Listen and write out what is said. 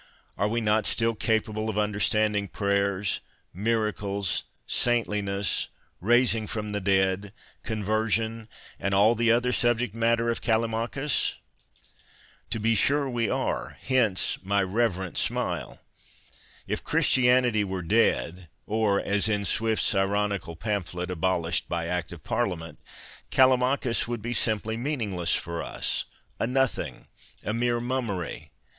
Are we not still capable of under standing prayers, miracles, saintliness, raising from the dead, " conversion," and all the other subject matter of Callimachns ? To be sure we are ; hence my " reverent ' smile. If Christianity were dead (or, as in Swift's ironical pamphlet, abolished by Act of Parliament) Callimachus would be simply mean ingless for us, a nothing, mere mummery.